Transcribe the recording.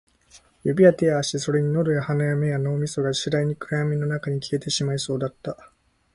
指や手や足、それに喉や鼻や目や脳みそが、次第に暗闇の中に消えてしまいそうだった